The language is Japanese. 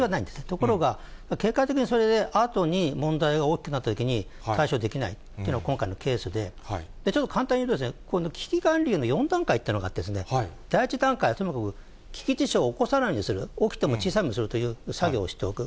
ところが、結果的に、あとに問題が大きくなったときに対処できないっていうのが今回のケースで、ちょっと簡単に言うと、危機管理への４段階というのがあってですね、第１段階は危機事象を起こさないようにする、起きても小さいものにするという作業をしておく。